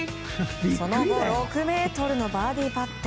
その後６ｍのバーディーパット。